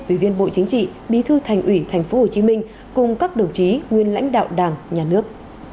ủy viên bộ chính trị bí thư thành ủy tp hcm cùng các đồng chí nguyên lãnh đạo đảng nhà nước